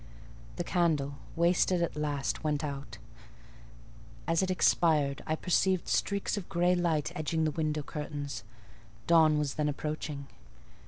The candle, wasted at last, went out; as it expired, I perceived streaks of grey light edging the window curtains: dawn was then approaching.